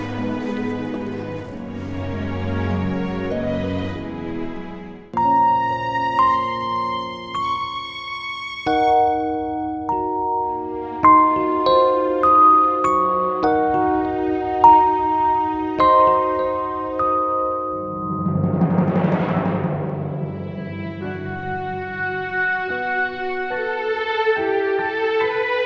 aku harus kerja lagi